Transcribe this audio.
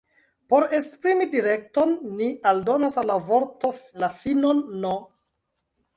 Por esprimi direkton, ni aldonas al la vorto la finon « n ».